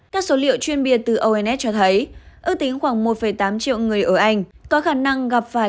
các số liệu chuyên biệt từ ons cho thấy ước tính khoảng một tám triệu người ở anh có khả năng gặp phải